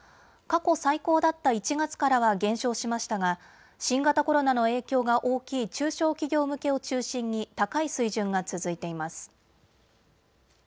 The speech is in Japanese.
過去最高だった１月からは減少しましたが新型コロナの影響が大きい中小企業向けを中心に高い水準が続いています。